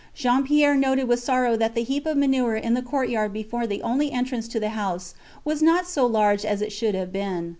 Jean Pierre noted with sorrow that the heap of manure in the courtyard before the only entrance to the house was not so large as it should have been.